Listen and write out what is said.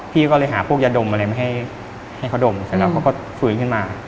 พี่ก็เลยหาพวกยาดมอะไรมาให้เขาดมเสร็จแล้วเขาก็ฟื้นขึ้นมา